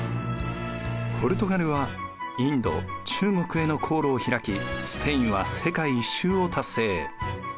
ポルトガルはインド・中国への航路を開きスペインは世界一周を達成。